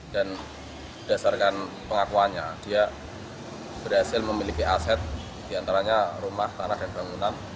dan berdasarkan pengakuannya dia berhasil memiliki aset di antaranya rumah tanah dan bangunan